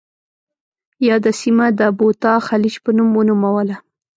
یاده سیمه د بوتا خلیج په نوم ونوموله.